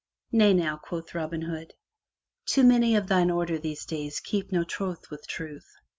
"Nay now," quoth Robin Hood, "too many of thine order these days keep no troth with Truth..